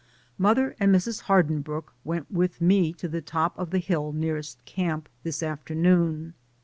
Mother and Mrs. Hardinbrooke went with me to the top of the hill nearest camp this afternoon.